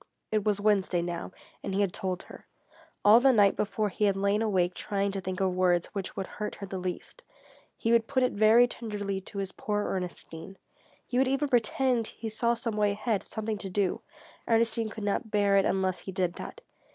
It was Wednesday now, and he had told her. All the night before he had lain awake trying to think of words which would hurt her the least. He would put it very tenderly to his poor Ernestine. He would even pretend he saw some way ahead, something to do. Ernestine could not bear it unless he did that.